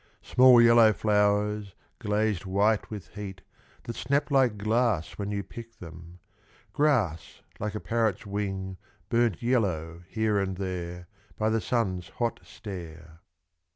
Small yellow flowers, glazed white with heat That snap like glass when you pick them, Grass like a parrot's wing Burnt yellow here and there By the Sun's hot stare.